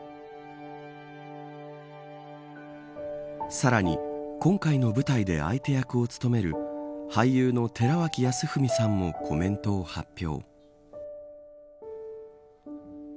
さらに、今回の舞台で相手役を務める俳優の寺脇康文さんもコメントを発表。